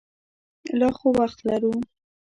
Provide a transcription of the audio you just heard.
لا خو وخت لرو.